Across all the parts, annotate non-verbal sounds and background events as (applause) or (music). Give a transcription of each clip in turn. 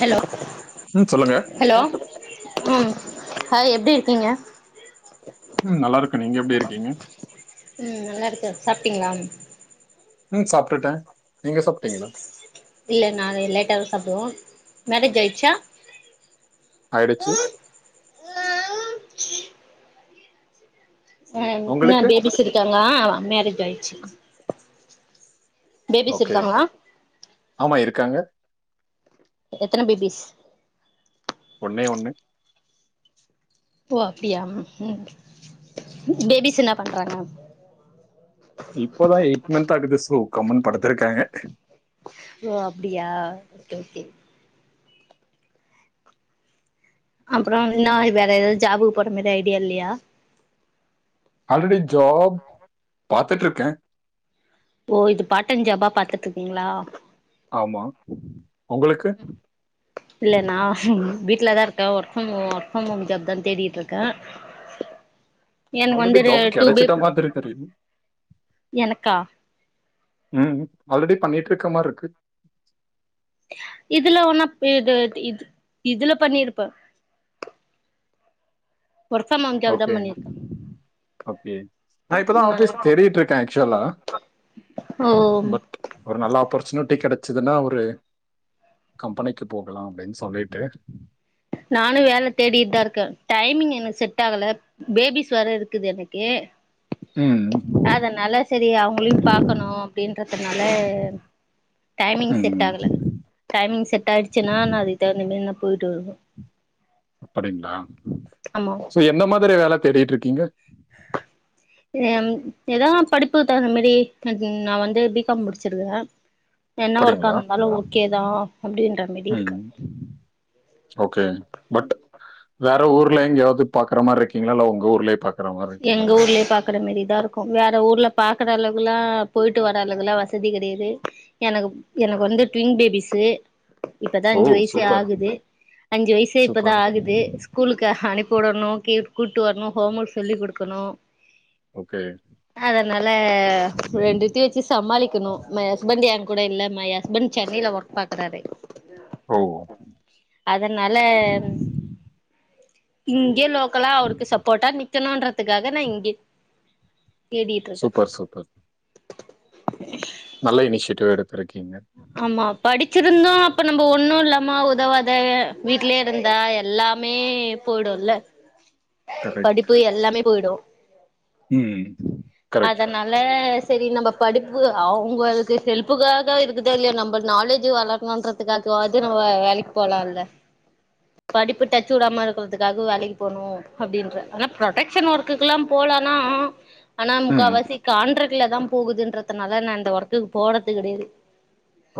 Hello ம் சொல்லுங்க hello ம் ஹாய் எப்டி இருக்கீங்க ம் நல்லா இருக்கு நீங்க எப்டி இருக்கீங்க உம் நல்லா இருக்க சாப்பிட்டீங்ளாம் உம் சாப்டுட்ட நீங்க சாப்பிட்டீங்களா இல்ல நா லேட்டாத சாப்பிடுவோ மேரேஜ் ஆயிச்சா அயிடிச்சி ஆ எல்ல உங்களுக்கு பேபிஸ் இருக்காங்க மேரேஜ் ஆயிடுச்சி பேபிஸ் ஓகே இருக்காங்களா ஆமா இருக்காங்க எத்தன பேபிஸ் ஒன்னே ஒன்னு ஓ அப்டியா ம் பேபிஸ் என்ன பண்றாங்க இப்போதா எயிட் மன்த் ஆகுது சோ கம்முன்னு படுத்துருக்காங்க ஓ அப்டியா ஓகே ஓகே அப்பறோ என்னா வேற எதாது ஜாபுக்கு போற மாரி ஐடியா இல்லயா ஆல்ரெடி ஜாப் பாத்துட்டு இருக்கே ஓ இது பாட்டைம் ஜாபா பாத்துட்டு இருக்கீங்களா ஆமா உங்களுக்கு இல்ல நா ம் வீட்லதா இருக்கே work from home work from home job தா தேடீட்டு இருக்க (inaudible) எனக்கு ஆல்ரெடி வந்து ரே ஜாப் டூ பி கிடைச்சிட்ட மாதிரி தெரியுது எனக்கா ம் ஆல்ரெடி பண்ணிட்டு இருக்க மாரி இருக்கு இதுலா ஒன்னு பெ த டி இது இதுல பண்ணிருப்ப ஒர்க் ஃப்ரம் ஹோம் ஜாப் தா ஓகே பண்ணிருக்கே ஓகே நா இப்பதா ஆஃபிஸ் தேடிட்டு இருக்கெ ஆக்சுவலா ஓ பட் ஒரு நல்ல ஆப்பர்ச்சுனிட்டி கெடச்சுதுன்னா ஒரு கம்பெனிக்கு போகலாம் அப்டின்னு சொல்லிட்டு நானு வேல தேடிட்டுதா இருக்கே டைமிங் எனக்கு செட் ஆகல பேபீஸ் வேற இருக்குது எனக்கு அதனால செரி அவ்ங்களையு பா ம் க்கணு அப்பிடின்றதுனால டைமிங் செட் ம். ஆகல டைமிங் செட் ஆயிருச்சுன்னா நா அதுக்கு தகுந்த மாரி நா போய்ட்டு வருவ அப்பிடிங்களா ஆமா சோ எந்த மாதிரி வேல தேடிட்டு இருக்கீங்க எம் எதா படிப்புக்கு தகுந்த மாரி நா ம் நா வந்து பி காம் முடுச்சு இருக்குற என்ன வர்க்கா அப்படிங்களா? இருந்தாலு ஓகே தா அப்பிடின்ற மாரி இருக்கு ம். ஓகே பட் வேற ஊர்ல எங்க்யாவது பாக்குற மாரி இருக்கீங்களா இல்ல உங்க ஊர்லயே பா எங்க ஊர்லயே பா க்கற மாரிதா இருக்கு வேற ஊர்ல பாக்குற அளவு எல்லா போய்ட்டு வர அளவு எலா வசதி கெடையாது எனக்கு எனக்கு வந்து ட்வின் பேபீஸ்சு இப்பதா ஓ! அஞ்சு வய்சே சூப்பர், ஆகுது அஞ்சு வய்சே இப்பதா சூப்பர். ஆகுது ஸ்கூலுக்கு ஆ அனுப்வுடணு கீல்க் கூட்டு வரணு ஹோம் வர்க் சொல்லி் குடுக்கணு ஓகே அதனால ரெண்டெத்தியு வெச்சு சமாளிக்கெணு மை ஹஸ்பண்ட் ஏங்கூட இல்ல மை ஹஸ்பண்ட் சென்னைல வர்க் பாக்குறாரு ஓ அதனால இங்யே லோ கல்லா அவருக்கு சப்போட்டா நிக்கெணுன்றதுக்காக நா இங்கே தேடிட்டு இருக்க சூப்பர் நல்ல இனிஷ்யேட்டுவ் எடுத்திருக்கீங்க ஆமா படிச்சிருந்து அப்ப நம்ப ஒண்ணு இல்லாம உதவாத வீட்லயே இருந்தா எல்லா மே போய்டுல்ல கரெக்ட். படிப்பு எல்லாமே போய்டு ம் கரெக்ட் ல செரி நம்ப படிப்பு அவங்களுக்கு ஹெல்ப்புக்காக இருக்குதொ இல்லயோ நம்ப நாலேஜு வளர்க்கணுன்ற துக்காகவாது நம்ம வ வேலெக்கி போலா இல்ல படிப்பு டச்சு உடாம இருக்கறதுக்காகவு வேலெக்கி போணு அப்பிடின்ற ஆனா ப்ரொடெக்ஷன் வர்க்குக்கு எல்லா போலான ஆனா ம். முக்காவாசி கான்ட்ரக் ட்ல தா போகுதுன்றதுனால நா இந்த வர்க்குக்கு போறது கெடயாது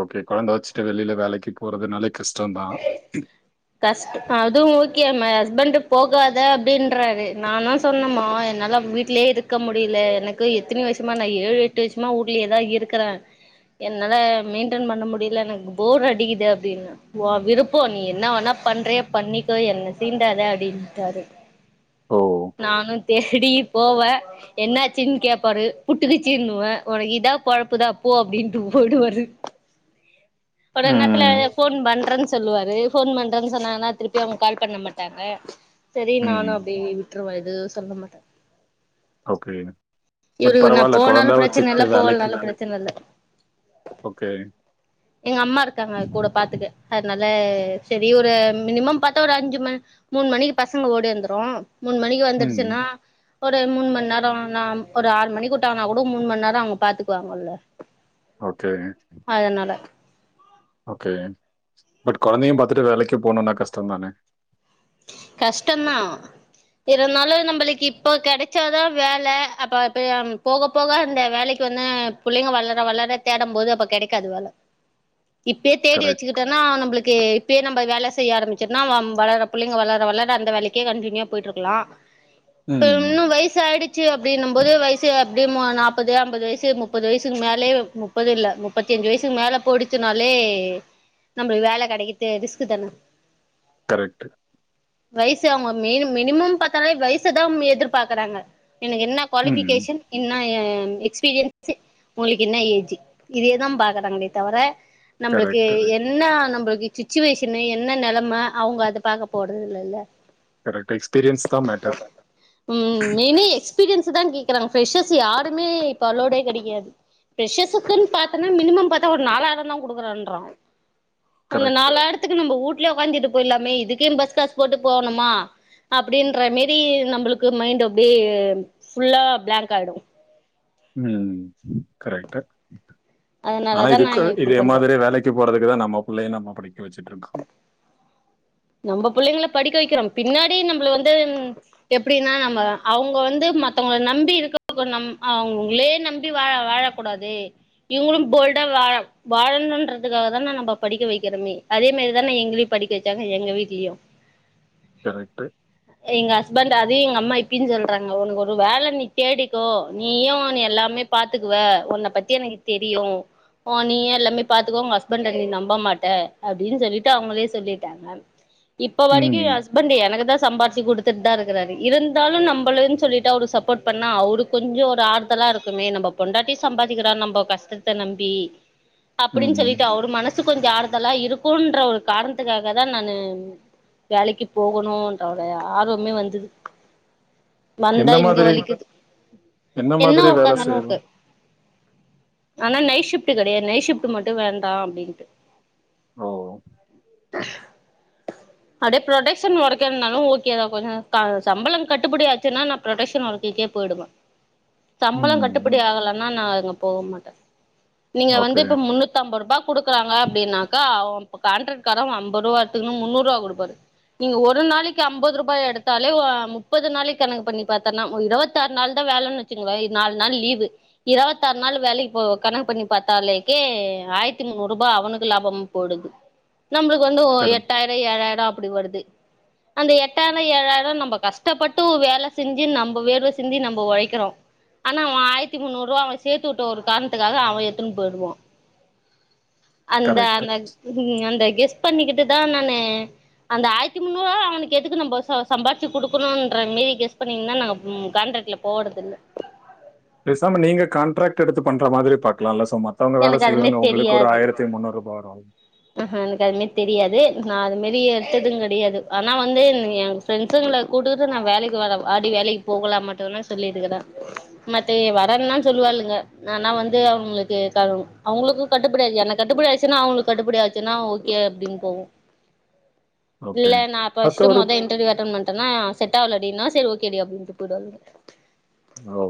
ஓகே கொழந்த வெச்சுட்டு வெளில வேலெக்கி போறதுனாலே கஷ்டொந்தா அ கஷ்ட் அதும் ஓகே மை ஹஸ்பண்டு போகாத அப்டின்றாரு நானா சொன்ன மா என்னால வீ வீட்லயே இருக்க முடியல எனக்கு எத்தின வருஷமா நா ஏழு எட்டு வருஷமா வீடலயேதா இருக்கற என்னால மெயின்டென் பண்ண முடியல எனக்கு போர் அடிக்குது அப்டின்னா ஓ விருப்பம் நீ என்ன வேணா பண்றையே பண்ணிக்கோ என்ன சீண்டாத அப்படின்னுட்டாரு ஓ நானு தேடி போவ என்னாச்சினு கேப்பாரு புட்டுக்கிச்சி இன்னுவேன் உனக்கு இதா பொழப்புதா போ அப்படின்னுட்டு போயிடுவாரு பல நேரத்துல ம். ஃபோன் பண்றேன்னு சொல்லுவாரு ஃபோன் பண்றேன்னு சொன்னாங்கன்னா திருப்பி அவுங்க கால் பண்ண மாட்டாங்க சரி ம். நானு அப்படி விட்ருவ எதுவு சொல்ல மாட்ட ஓகே. பட் இவரு நா பரவால்ல. போ குழந்தை பிரச்சன வச்சுக்கிட்டு இல்ல வேலைக்கு போகலனாலும் போ பிரச்சனைக்‌‌ இல்ல ஓகே எங்க அம்மா இருக்காங்க கூட பாத்துக்க அதனால சரி ஒரு மினிமம் பத்தா ஒரு அஞ்சு மணி மூணு மணிக்கு பசங்க ஓடி வந்துரும் மூணு மணிக்கு ம். வந்துடுச்சுன்னா ஒரு மூணு மணி நேரம் ந ஒரு ஆறு மணிக்கு விட்டாங்கன்னா கூட மூணு மண்நேரம் அவங்க பாத்துக்குவாங்க இல்ல ஓகே அதனால ஓகே பட் குழந்தையு பாத்துட்டு வேலைக்கு போணுன்னா கஷ்டம் தானே கஷ்டந்தா இருந்தாலு நமபளுக்கு இப்ப கெடைச்சாதா வேலை அப்ப போக போக அந்த வேலைக்கு வந்து புள்ளைங்க வளர வளர தேடும் போது அப்ப கெடைக்காது வேல இப்பயே தேடி கரெக்ட். வச்சுக்கிட்டேன்னா நம்மளுக்கு இப்பயே நம்ம வேலை செய்ய ஆரம்பிச்சோம்ன்னா வளர புள்ளைங்க வளர வளர அந்த வேலைக்கே கண்டினியூவ போயிட்டு இருக்கலாம் ம். இன்னும் வயச ஆயிடுச்சு அப்படின்னும் போது வயசு அப்படியே நாப்பது ஐம்பழ ஸ்ல தலது வயசு முப்பது வயசுக்கு மேலே முப்பது இல்ல முப்பத்திஞ்சு வயசுக்கு மேல போயிடிச்சினாலே நம்மளுக்கு வேலை கிடைக்கிறது ரிஸ்க் தானே கரெக்ட் வயிசு அவுங்க மின் மினிமம் பாத்தாலே வயசுதா எதிர்பாரக்குறாங்க எனக்கு என்ன ம். குவாலிஃபிகேஷன் என்ன ஆ எக்ஸ்பீரியன்ஸி உங்களுக்கு என்ன ஏஜ்ஜி இதேதா பாக்கறாங்களே தவர நம்பளுக்கு கரெக்ட். என்ன நம்பளுக்கு சுச்சுவேஷனு என்ன நெலைம அவங்க அத பாக்க போறதுல்லல்ல கரெக்ட். எக்ஸ்பீரியன்ஸ் தான் மேட்டர். ம் மெனிஸ் எஸ்பீரியன்ஸ் தா கே்கறாங்க ஃப்ரஷர்ஸ் யாருமே இப்போ அலோவ்டே கெடையாது ஃப்ரெஷஸ்ர்க்குன்னு பாத்தன்னா மினிமம் பாத்தா ஒரு நாலாயிரந்தா குடுக்குறேன்றா சோ அந்த கரெக்ட். நாலாயிரத்துக்கு நம்ப ஊட்லே உக்காந்திட்டு போய்ட்ல்லாமே இதுக்குனு பஸ் காஸ் போட்டு போணுமா அப்டின்ற மேரி நம்ழளுக்கு மைண்ட் அப்டியே ஃபுல்லா பிளாங்க் ஆயிடு ம் கரெக்ட்டு ஆனா அதனாலதா இதுக்கு நாங்க இப்டி இதே பண்றோ மாதிரி வேலைக் கு போறதுக்கு தா நம்ம புள்ளைய நம்ம படிக்க வச்சுட்டு இருக்கோ நம்ப புள்ளைங்கள படிக்க வக்கிறோ பின்னாடி நம்பள வந்து எப்டின்னா நம்ம அவுங்க வந்து மத்தவங்கள நம்பி இருக்கம் அவுங்களே நம்பி வாழ அவங்களே நம்பி வாழ வாழ கூடாது இவங்களு போல்டா வாழ வாழணுன்றதுக்காக தான நம்ப படிக்க வக்கிறோமே அதே மாரி தான எங்களையு படிக்க வச்சாங்க எங்க வீட்லயு கரெக்ட்டு எங்க ஹஸ்பண்ட் அதையு எங்க அம்மா இப்பயு சொல்றாங்க ஒனக்கு ஒரு வேல நீ தேடிக்கோ நீயு நீ எல்லாமே பாத்துக்குவ ஒன்ன பத்தி எனக்கு தெரியு ஓ நீ எல்லாமே பாத்துக்குவ உங்க ஹஸ்பண்ட நீ நம்ப மாட்ட அப்டின் சொல்லீட்டு அவுங்களே சொல்லிட் டாங்க இப்ப வரைக்கு எ ம். ஹஸ்ப் பண்ட் எனக்கு தா சம்பாரிச்சு குடுத்துட் தா இருக்கறாரு இருந்தாலு நம்பலன் சொல்லீட்டு அவருக் சப்போட் பண்ணா அவருக் கொஞ்சோ ஒரு ஆறுதலா இருக்குமே நம்ப பொண்டாட்டி சம்பாதிக்கிறா நம்ம கஷ்டத்த நம்பி அப்டின் ம். சொல்லீட்டு அவரு மனசு கொஞ்சோ ஆறுதலா இருக்குன்ற ஒரு காரணத்துக்காக தா நானு வேலைக்கு போகணுன்ற ஒரு ஆர்வமே வந்துது வந்தா என்ன இங்க மாதிரி வலிக்கிது என்ன மாதிரி ஒர்க் வேல அந்தளவ்க்கு செய்யலாம்? ஆனா நைட் ஷிஃப்ட்டு கெடயாது நைட் ஷிஃப்ட் மட்டு வேண்டா அப்டின்ட்டு ஓ அப்டே ப்ரொடக்ஷன் ஒர்க் இருந்தாலு ஓகே தா கொஞ்சோ க சம்பளோ கட்டுப்படியாச்சுன்னா நா ப்ரொடக்ஷன் ஒர்க்குக்கே போயிடுவே சம்பளோ ம். கட்டுப்படி ஆகலன்னா நா அங்க போக மாட்டே நீங்க வந்து ஓகே. இப்ப முன்னூத் தம்பர்ருபா குடுக்கறாங்க அப்டின்னாக்கா அவ இப்ப கான்ட்ரக்ட்காரவ் அம்பர்ருவா எத்துக்குன்னு முன்னூர்ருவா குடுப்பாரு நீங்க ஒரு நாளைக்கு அம்பது ருபா எடுத்தாலே அ முப்பது நாளைக்கு கணக்கு பண்ணி பாத்தன்னா ஒரு இரவத் தார் நாள் தா வேலன் வெச்சுக்கங்கவே இது நால் நாள் லீவு இரவத்தார் நாள் வேலைக்கு போவ கணக்கு பண்ணி பாத்தாலேக்கே ஆயர்த்தி முன்னூர்ருபா அவனுக்கு லாபம் போய்டுது நம்பளுக்கு வந்து ஒ கரெக்ட். எட்டாய்ரோ ஏழாய்ரோ அப்புடி வருது அந்த எட்டாய்ரோ ஏழாய்ரோ நம்ப கஷ்டப்பட்டு வேல செஞ்சு நம்ப வேர்வ சிந்தி நம்ப ஒழைக்கிறோ ஆனா அவ ஆயர்த்தி முன்னூர்ருவா அவ சேத்து வுட்ட ஒரு காரணத்துக்காக அவ எட்த்துன் போய்டுவா அந்த கரெக்ட். அந்த ம் அந்த கெஸ் பண்ணிக்கிட்டு தா நானு அந்த ஆயர்த்தி முன்னூர்ருவா அவனுக்கு எதுக்கு நம்போ சோ சம்பார்ச்சு குடுக்கணும்ன்ற மேரி கெஸ் பண்ணிக்கின் தா நாங்க ம் கான்ட்ரக்ட்ல போறதில்ல பேசாம நீங்க காண்ட்ரேக்ட் எடுத்து பண்ற மாதிரி பாக்கலால்ல சும்மா மத்தவங்க வேல எனக்கு அது மாரி செய்வாங்க உங்களுக்கு ஒரு ஆயரத்தி முன்னூர்ருபா வரு எனக் அது மேரி தெரியாது நா அது மேரி எட்த்ததுங் கெடயாது ஆனா வந்து எனக் எங் ஃப்ரெண்ட்ஸுங்கள கூட்டுட்டு நா வேலைக்கு வர வாடி வேலைக்கு போகலா மத்தவல்லா சொல்லிட்டுக்குறா மத்தவிய வரன் தா சொல்லுவாளுங்க ஆனா வந்து அவுங்ளுக்கு செட்டாகனு அவங்களுக்கு கட்டுப்படி ஆச்சு எனக் கட்டுப்படி ஆச்சுன்னா அவுங்களுக் கட்டுப்படி ஆச்சுன்னா ஓகே அப்டின் போவோ ஓகே. இல்ல நா ஃபஸ்ட்டு மத்தவரு மொத இன்டர்வ்யூ அட்டன் பண்ட்டன்னா செட்டாவலடின்னா செரி ஓகேடி அப்டின்ட்டு போய்டுவாளுக ஓ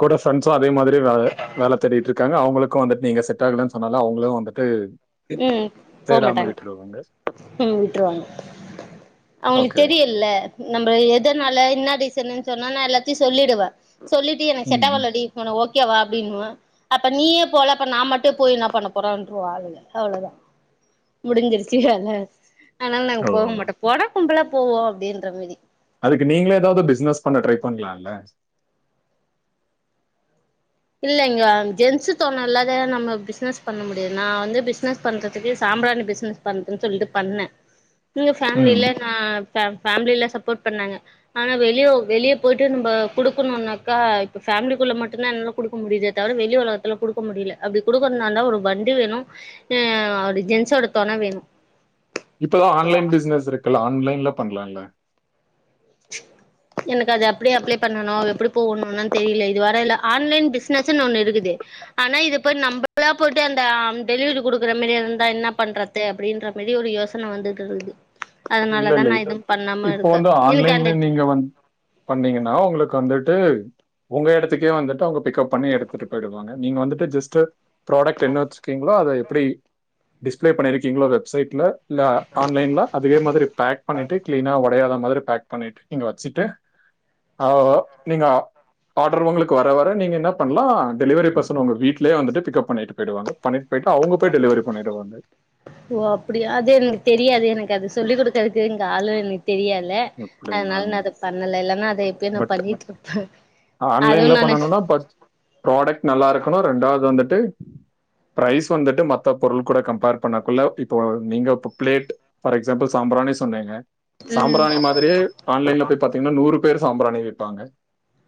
கூட ஃப்ரெண்ட்ஸு அதே மாதிரி வேல வேல தேடிட்ருக்காங்க அவுங்களுக் கு வந்துட்டு நீங்க செட்டாகலன் சொன்னா தா அவுங்களு வந்துட்டு ம் தேடாம போமாட்டாங்க விட்டுருவாங்க. ம் விட்ருவாங்க அவுங்ளுக் ஓகே. தெரியுல்ல நம்ப எதனால என்னா ரீசன்னு சொன்னா நா எல்லாத்தயு சொல்லிடுவே சொல்லிட்டு எனக்கு ம், ம். செட்டாவலடி உனக் ஓகேவா அப்டின்னுவ அப்ப நீயே போல அப்ப நா மட்டு போய் இன்னா பண்ண போறேன்ருவாளுக அவ்ளோதா முடிஞ்சிருச்சி கத அத்னால் நாங்க ஓ! போ மாட்டோ போனா கும்பலா போவோ அப்டின்ற மேரி அதுக்கு நீங்ளே எதாவ்து பிஸ்னஸ் பண்ண ட்ரை பண்லால்ல இல்லைங்க ஜென்ஸு தொண இல்லாத நம்ம பிஸ்னஸ் பண்ண முடியாது நா வந்து பிஸ்னஸ் பண்றதுக்கு சாம்ப்ரானி பிஸ்னஸ் பண்றன் சொல்லிட்டு பண்ணே எங்க ம். ஃபேம்லில நா ஃபே ஃபேம்லில சப்போட் பண்ணாங்க ஆனா வெளிய வெளிய போய்ட்டு நம்ப குடுக்கணுன்னாக்கா இப்ப ஃபேம்லிக்குள்ள மட்டுந்தா என்னால குடுக்க முடிதே தவர வெளி உலகத்துல குடுக்க முடியில அப்டி குடுக்கன்னாந்தா ஒரு வண்டி வேணு அ ஒரு ஜென்ஸோட தொண வேணு இப்பதா ஆன்லைன் பிஸ்னஸ் இருக்குல்ல ஆன்லைன்ல பண்ணலால்ல எனக்கு அதை அப்டி அப்ளை பண்ணணு எப்டி போகணும்னு தெரியல இது வர இல்ல ஆன்லைன் பிசினஸன்னு ஒன்னு இருக்குது ஆனா இது போய் நம்மளா போயிட்டு அந்த டெலிவரி குடுக்குற மாதிரி இருந்தா என்ன பண்றது அப்டின்ற மாரி ஒரு யோசனை வந்துட்டு இருக்குது அதனாலதா நா இப் எதுவு பண்ணாம இப்போ இருக்கே வந்து இல்ல எனக்கு இல்ல அந்த நீங்க வந் பண்ணீங்கன்னா உங்களுக்கு வந்துட்டு உங்க இடத்துக்கே வந்துட்டு அவங்க பிக்கப் பண்ணி எடுத்துட்டு போயிடுவாங்க நீங்க வந்துட்டு ஜஸ்ட் ப்ராடைக்ட் என்ன வச்சுக்கீங்களோ அதை எப்டி டிஸ்பிளே பண்ணிருக்கீங்களோ வெப்சைட்ல இல்ல ஆன்லைன்ல அதே மாதிரி பேக் பண்ணிட்டு கிளீனா உடையாத மாதிரி பேக் பண்ணிட்டு நீங்க வச்சுட்டு அ நீங்க ஆர்டர் உங்களுக்கு வர வர நீங்க என்ன பண்ணலாம்டெலிவரி பசங்க உங்க வீட்லயே வந்துட்டு பிக்கப் பண்ணிட்டு போயிடுவாங்க பண்ணிட்டு போயிட்டு அவங்க போய் டெலிவரி பண்ணிடுவாங்க ஓ அப்டியா அது எனக்கு தெரியாது எனக்கு அது சொல்லி் கொடுக்கதுக்கு இங்க ஆளு எனக்கு தெரியல எப்படிங்களா அதனால நா அத பண்ணல இல்லன்னா அத எப்பயுமே பண்ணிட்டு இருப்பே அதுவு ஆன்லைன்ல நானு பண்ணணும்னா ஃபஸ்ட் ப்ராடைக்ட் நல்லா இருக்கணு ரெண்டாவது வந்துட்டு பிரைஸ் வந்துட்டு மத்த பொருள் கூட கம்பேர் பண்ணக்குள்ள இப்போ நீங்க பிளேட் ஃபார் எக்ஸாம்பிள் சாம்பராணி சொன்னேங்க ம் சாம்பிராணி மாரியே ஆன்லைன்ல போய் பாத்தீங்கன்னா நூறு பேர் சாம்பிராணி விப்பாங்க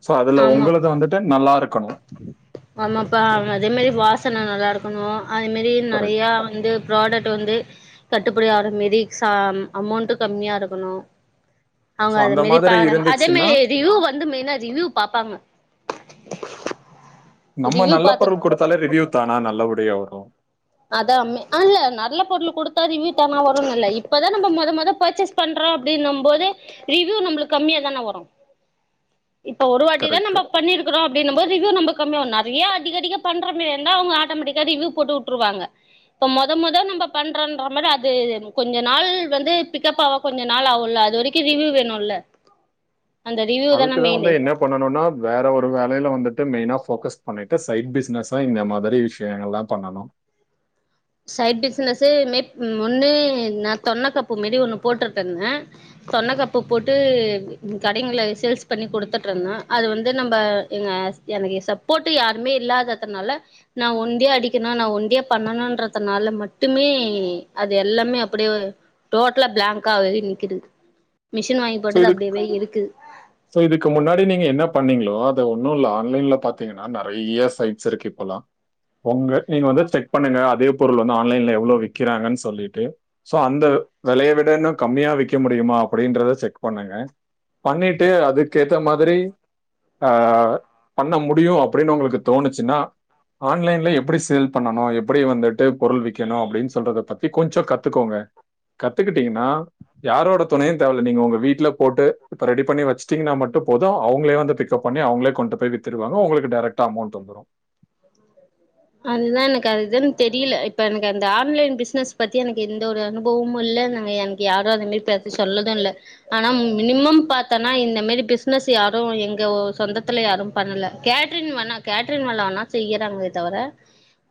சோ அதுல ஆமா உங்களது வந்துட்டு நல்லா இருக்கணு ஆமாப்பா அதே மாரி வாசனை நல்லா இருக்கணு அதே மாரி நெறைய கரெக்ட். வந்து ப்ராடக்ட் வந்து கட்டுப்படிகிற மாரி அமௌண்டு கம்மியா இருக்கணு அவங்க சோ அத அந்த மாரி மாதிரி பாற அதே இருந்துச்சுன்னா, மாரி ரிவியூ வந்து மெயினா ரிவியூ பாப்பாங்க நம்ம ரிவ்யூ நல்ல பொருள் பாத்துட் கொடுத்தாலே ரிவியூ் தானா நல்லபடிய வரு அதா இல்ல நல்ல பொருள் கொடுத்தா ரிவ்யூ தானா வருனுல்ல இப்பதா நம்ம முத முத பர்ச்சேஸ் பண்றோ அப்டின்னு போது ரிவியூ நம்மளுக்கு கம்மியா தானே வரு ஒரு வாட்டி தான கரெக்ட். நம்ம பண்ணிருக் அப்பரோ அப்டின்ற போது இதுக்கு நம்ம கம்மியா நெறைய அதிகடிக பண்ற மாரி இருந்தா அவங்க ஆட்டோமேட்டிக்கா ரிவ்யூ போட்டு விட்டுருவாங்க இப்ப மொத மொத நம்ம பண்றோன்ற மாரி அது கொஞ்ச நாள் வந்து பிக்கப் ஆவ கொஞ்ச நாள் ஆகுல அது வரைக்கு ரிவ்யூ வேணுல்ல அந்த ரிவ்யூ தான மெயின்னு பண்ணணுனா வேற ஒரு வேலையில வந்துட்டு மெயினா போக்கஸ் பண்ணிட்டு சைட் பிசினஸ இந்த மாதிரி விஷயங்கள்லா பண்ணனு சைட் பிஸ்னஸ் மேக் ஒன்னு நா தொன்ன கப்பு மெடில் ஒன்னு போட்ருப்பங்க தொன்ன கப்ப போட்டு கடைங்கள்ல சேல்ஸ் பண்ணி கொடுத்துட்டு இருந்த அது வந்து நம்ம எங்க ஹஸ் எனக்கு சப்போர்ட் யாருமே இல்லாததுனால நா ஒண்ட அடிக்கணு நா ஒண்ட பண்ணணுன்றது அதனால மட்டுமே அது எல்லாமே அப்டியே டோட்டலா பிளாங்க்காவே நிக்குது மிஷின் வாங்கி சோ போட்டது இது அப்டியவே இருக்கு சோ இதுக்கு முன்னாடி நீங்க என்ன பண்ணீங்களோ அது ஒன்னு இல்லை ஆன்லைன்ல பாத்தீங்கன்னா நெறைய சைட்ஸ் இருக்கு போலா உங்க நீங்க வந்து செக் பண்ணுங்க அதே பொருள் வந்து ஆன்லைன்ல எவ்ளோ விக்கிறாங்கன் சொல்லிட்டு சோ அந்த வேலைய விட இன்னு கம்மியா வைக்க முடியுமா அப்டின்றத செக் பண்ணுங்க பண்ணிட்டு அதுக்கு ஏத்த மாதிரி அபண்ண முடியு அப்டின்னு உங்களுக்கு தோணுச்சுன்னா ஆன்லைன்ல எப்டி சேல் பண்ணணு எப்டி வந்துட்டு பொருள் விக்கணு அப்டின்னு சொல்றத பத்தி கொஞ்ச கத்துக்கோங்க கத்துக்கிட்டீங்ன்னா யாரோட துணையு தேவையில்ல நீங்க உங்க வீட் ல போட்டு இப்ப ரெடி பண்ணி வச்சுட்டீங்ன்னா மட்டு போது அவங்களே வந்து பிக்கப் பண்ணி அவங்களே கொண்டு போய் வித்துடுவாங்க உங்களுக்கு டைரக்ட் மொத்த அமௌண்ட் வந்துரு அதான் ஐடியா அதுதா எனக்கு அதுன்னு தெரியல இப்ப எனக்கு அந்த ஆன்லைன் பிசினஸ் பத்தி எனக்கு எந்த ஒரு அனு போவும் இல்ல எனக்கு யாரும் அது மாரி பேசி சொன்னது இல்ல ஆனா மினிமம் பாத்தனா இந்த மேரி பிசினஸ் யாரும் எங்க சொந்தத்துல யாரும் பண்ணல கேட்ரின் வேண கேட்ரின் வேல வேனா செய்யறாங்களே தவிர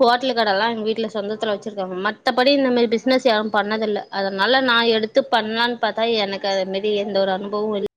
ஹோட்டல் கடை எல்லாம் எங்க வீட்ல சொந்தத்துல வச்சிருக்காங்க மத்தபடி இந்த மாரி பிசினஸ் யாரும் பண்ணதில்ல அதனால நான் எடுத்து பண்ணலான்னு பார்த்த எனக்கு அது மாரி எந்த ஒரு அனுபவமும் இல்ல